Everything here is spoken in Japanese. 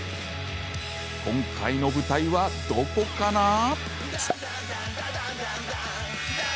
今回の舞台は、どこかな？